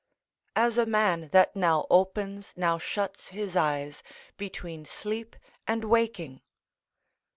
["As a man that now opens, now shuts his eyes, between sleep and waking."